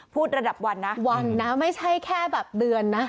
ระดับวันนะวันนะไม่ใช่แค่แบบเดือนนะ